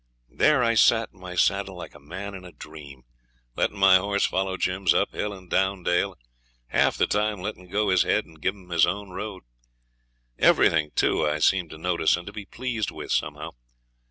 There I sat in my saddle like a man in a dream, lettin' my horse follow Jim's up hill and down dale, and half the time lettin' go his head and givin' him his own road. Everything, too, I seemed to notice and to be pleased with somehow.